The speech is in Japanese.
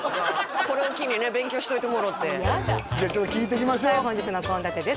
これを機にね勉強しといてもろうてじゃあ聞いていきましょうはい本日の献立です